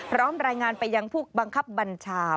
พร้อมรายงานไปยังผู้บังคับบัญชา